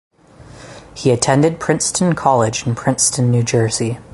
He attended Princeton College in Princeton, New Jersey.